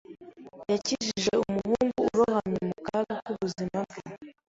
Yakijije umuhungu urohamye mu kaga k'ubuzima bwe.